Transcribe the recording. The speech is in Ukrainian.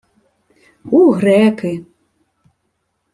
— У греки.